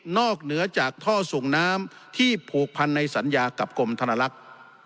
เหนือจากท่อส่งน้ำที่ผูกพันในสัญญากับกรมธนลักษณ์